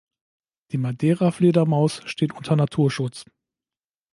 Die Madeira-Fledermaus steht unter Naturschutz.